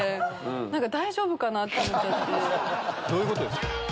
どういうことですか？